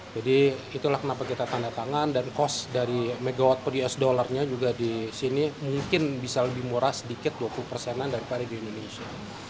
jadi itulah kenapa kita tanda tangan dan kos dari mw per us dollarnya juga di sini mungkin bisa lebih murah sedikit dua puluh persenan daripada di indonesia